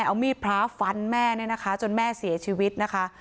เอามีดพระฟันแม่เนี่ยนะคะจนแม่เสียชีวิตนะคะ